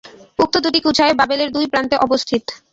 উক্ত দুটি কুছায় বাবেলের দুই প্রান্তে অবস্থিত।